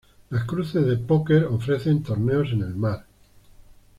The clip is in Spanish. Las cruces de póquer ofrecen torneos en el mar.